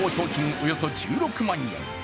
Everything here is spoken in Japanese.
およそ１６万円。